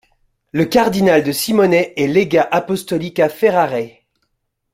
Le cardinal de Simone est légat apostolique à Ferrare.